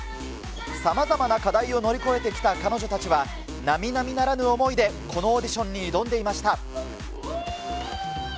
さまざまな課題を乗り越えてきた彼女たちは、なみなみならぬ思いでこのオーディションに挑んでいました。